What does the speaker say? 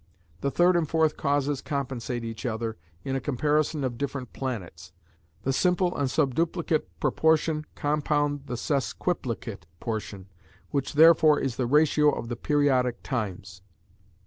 The third and fourth causes compensate each other in a comparison of different planets; the simple and subduplicate proportion compound the sesquiplicate proportion, which therefore is the ratio of the periodic times."